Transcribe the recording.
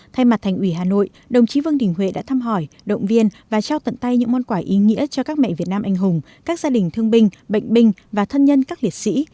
thay mặt thành ủy hà nội đồng chí vương đình huệ đã thăm hỏi động viên và trao tận tay những món quà ý nghĩa cho các mẹ việt nam anh hùng các gia đình thương binh bệnh binh và thân nhân các liệt sĩ